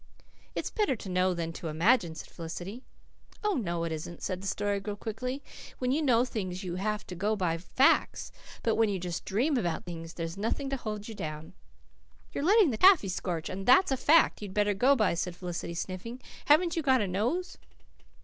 "It's better to know than to imagine," said Felicity. "Oh, no, it isn't," said the Story Girl quickly. "When you know things you have to go by facts. But when you just dream about things there's nothing to hold you down." "You're letting the taffy scorch, and THAT'S a fact you'd better go by," said Felicity sniffing. "Haven't you got a nose?"